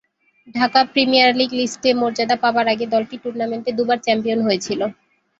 Dhaka premier league list A মর্যাদা পাবার আগে দলটি টুর্নামেন্টে দুবার চ্যাম্পিয়ন হয়েছিল।